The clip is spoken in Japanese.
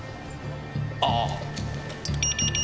ああ。